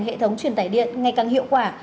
hệ thống truyền tải điện ngày càng hiệu quả